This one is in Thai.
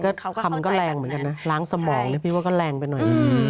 ก็คำก็แรงเหมือนกันนะล้างสมองนะพี่ว่าก็แรงไปหน่อย